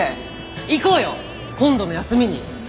行こうよ今度の休みに。